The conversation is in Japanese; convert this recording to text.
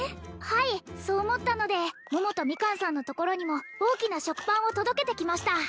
はいそう思ったので桃とミカンさんのところにも大きな食パンを届けてきました